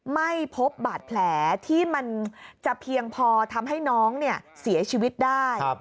ไม่พบบาดแผลที่มันจะเพียงพอทำให้น้องเสียชีวิตได้